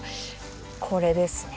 これですね。